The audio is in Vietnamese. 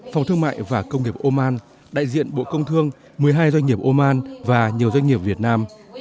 phòng thương mại và công nghiệp oman đại diện bộ công thương một mươi hai doanh nghiệp oman và nhiều doanh nghiệp việt nam